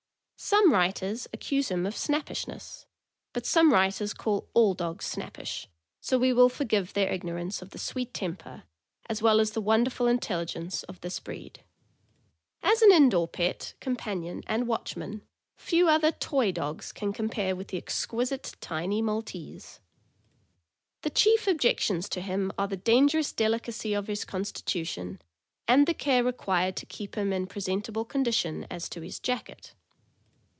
Some writers accuse him of snappishness; but some writers call all dogs snappish, so we will forgive their ignorance of the sweet temper, as well as the wonderful intelligence, of this breed. As an in door pet, companion, and watchman, few other "toy " dogs can compare with the exquisite tiny Maltese. The chief objections to him are the dangerous delicacy of his constitution and the care required to keep him in pre sentable condition as to his jacket.